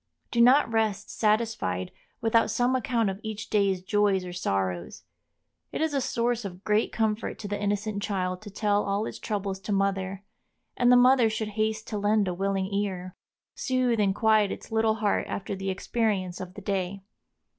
Do not rest satisfied without some account of each day's joys or sorrows. It is a source of great comfort to the innocent child to tell all its troubles to mother, and the mother should haste to lend a willing ear. Soothe and quiet its little heart after the experience of the day.